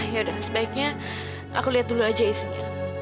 yaudah sebaiknya aku lihat dulu aja isinya